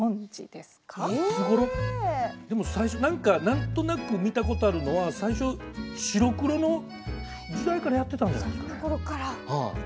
でも最初何か何となく見たことあるのは最初白黒の時代からやってたんじゃないですかね？